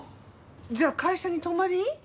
じゃあ会社に泊まり？